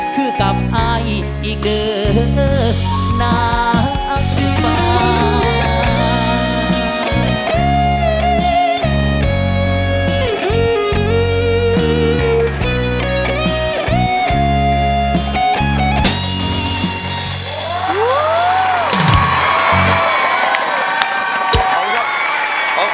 คือกลับอายอีกเดินนางฟ้า